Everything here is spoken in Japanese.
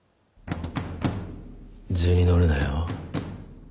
図に乗るなよ。